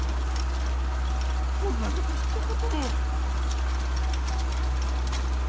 こんなこと一言も。